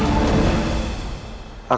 aku gak mau tanda tangan